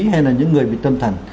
hay là những người bị tâm thần